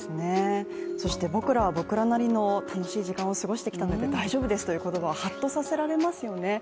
そして僕らは僕らなりの楽しい時間を過ごしてきたので大丈夫ですってはっとさせられますよね。